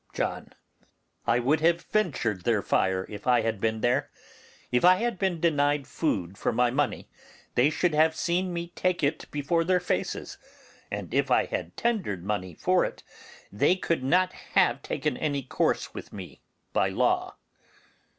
John. I would have ventured their fire if I had been there. If I had been denied food for my money they should have seen me take it before their faces, and if I had tendered money for it they could not have taken any course with me by law.